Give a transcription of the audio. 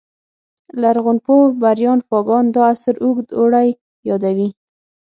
لرغونپوه بریان فاګان دا عصر اوږد اوړی یادوي